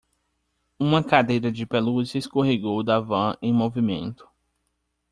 Uma cadeira de pelúcia escorregou da van em movimento.